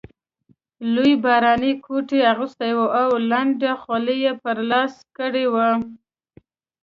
لوی باراني کوټ یې اغوستی وو او لنده خولۍ یې په لاس کې وه.